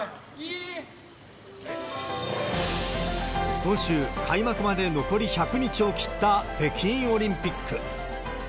今週、開幕まで残り１００日を切った北京オリンピック。